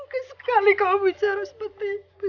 mungkin sekali kau bicara seperti itu